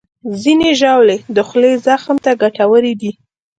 ځینې ژاولې د خولې زخم ته ګټورې دي.